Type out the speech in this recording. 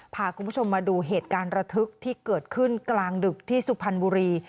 พาคุณผู้ชมมาดูเหตุการณ์ระทึกที่เกิดขึ้นกลางดึกที่สุพรรณบุรี